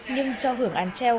nhưng cho hưởng án treo